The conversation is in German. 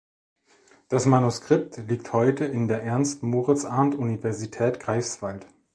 Das Manuskript liegt heute in der Ernst-Moritz-Arndt-Universität Greifswald.